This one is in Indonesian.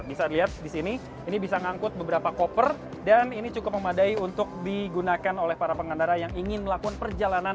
bisa dilihat di sini ini bisa ngangkut beberapa koper dan ini cukup memadai untuk digunakan oleh para pengendara yang ingin melakukan perjalanan